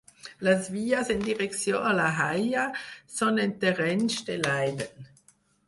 Les vies en direcció a La Haia són en terrenys de Leiden.